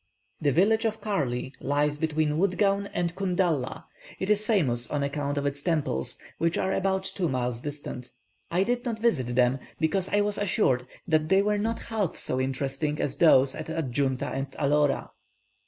The village of Karly lies between Woodgown and Kundalla; it is famous on account of its temples, which are about two miles distant. I did not visit them, because I was assured that they were not half so interesting as those at Adjunta and Elora.